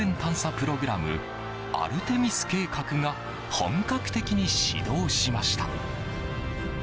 プログラムアルテミス計画が本格的に始動しました。